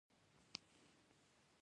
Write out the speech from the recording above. غږ ارزښت لري.